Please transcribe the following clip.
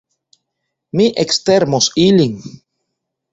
Mi ekstermos ilin!